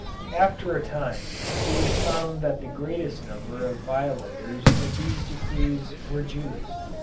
After a time it was found that the greatest number of violators of these decrees were Jews.